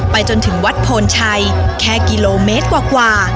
จนถึงวัดโพนชัยแค่กิโลเมตรกว่า